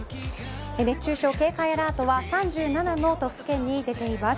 熱中症警戒アラートは３７の都府県に出ています。